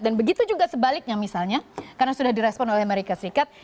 dan begitu juga sebaliknya misalnya karena sudah direspon oleh amerika serikat